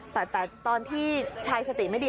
แต่ตอนที่ชายสติไม่ดี